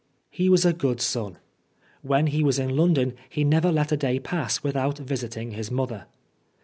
He was a good son. When he was in London, he never let a day pass without visiting his mother.